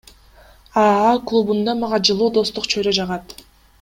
АА клубунда мага жылуу достук чөйрө жагат.